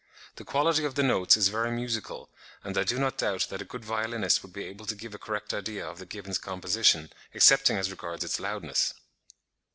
The quality of the notes is very musical; and I do not doubt that a good violinist would be able to give a correct idea of the gibbon's composition, excepting as regards its loudness."